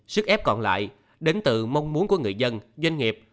sức ép còn lại đến từ mong muốn của người dân doanh nghiệp